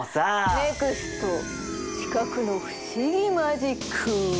ネクスト視覚の不思議マジック！